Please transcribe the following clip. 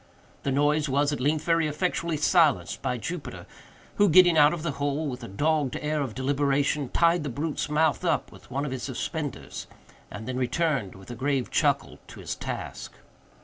The noise was, at length, very effectually silenced by Jupiter, who, getting out of the hole with a dogged air of deliberation, tied the brute's mouth up with one of his suspenders, and then returned, with a grave chuckle, to his task.